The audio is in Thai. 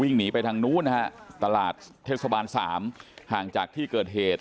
หนีไปทางนู้นนะฮะตลาดเทศบาล๓ห่างจากที่เกิดเหตุ